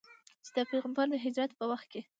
چې د پیغمبر د هجرت په وخت کې.